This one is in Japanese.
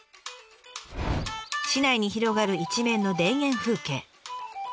市内に広がる一面の田園風景。